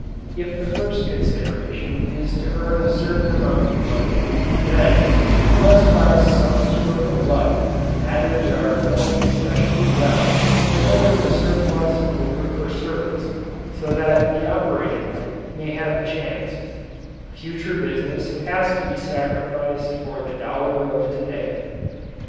If the first consideration is to earn a certain amount of money, then, unless by some stroke of luck matters are going especially well and there is a surplus over for service so that the operating men may have a chance, future business has to be sacrificed for the dollar of to day.